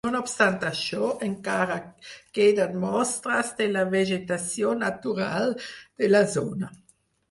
No obstant això, encara queden mostres de la vegetació natural de la zona.